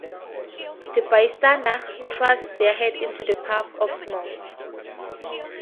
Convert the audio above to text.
The bystanders thrust their heads into the puffs of smoke.